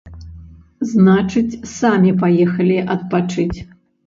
Значыць, самі паехалі адпачыць.